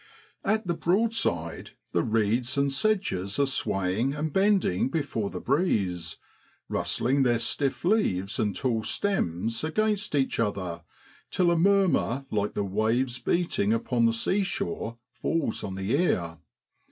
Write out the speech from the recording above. At the Broadside the reeds and sedges are swaying and bending before the breeze, rustling their stiff leaves and tall stems against each other, till a murmur like the waves beating upon the seashore falls on the ear.